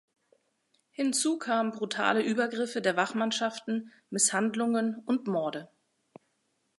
Hinzu kamen brutale Übergriffe der Wachmannschaften, Misshandlungen und Morde.